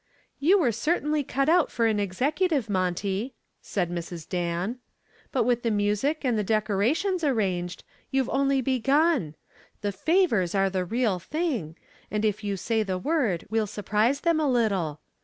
"You were certainly cut out for an executive, Monty," said Mrs. Dan. "But with the music and the decorations arranged, you've only begun. The favors are the real thing, and if you say the word, we'll surprise them a little.